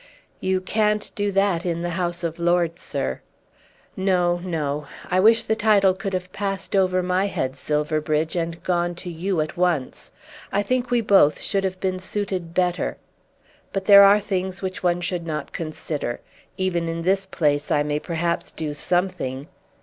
"You can't do that in the House of Lords, sir." "No; no. I wish the title could have passed over my head, Silverbridge, and gone to you at once. I think we both should have been suited better. But there are things which one should not consider. Even in this place I may perhaps do something.